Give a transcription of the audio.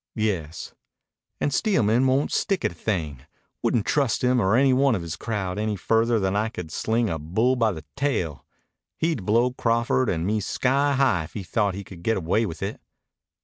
"Yes." "And Steelman won't stick at a thing. Wouldn't trust him or any one of his crowd any further than I could sling a bull by the tail. He'd blow Crawford and me sky high if he thought he could get away with it."